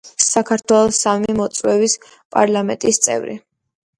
საქართველოს სამი მოწვევის პარლამენტის წევრი.